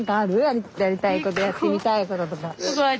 やりたいことやってみたいこととか。